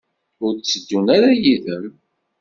Ur tteddun ara yid-m?